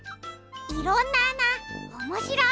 いろんなあなおもしろい！